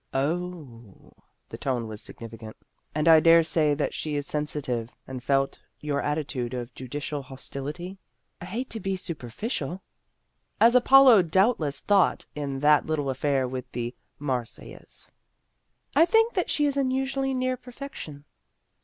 " Oh," the tone was significant, " and I dare say that she is sensitive, and felt your attitude of judicial hostility?" " I hate to be superficial." " As Apollo doubtless thought in that little affair with Marsyas." " I think that she is unusually near perfection."